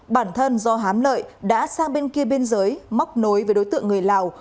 bản thân do hám lợi đã sang bên kia biên giới móc nối với đối tượng người lào